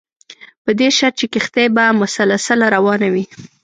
په دې شرط چې کښتۍ به مسلسله روانه وي.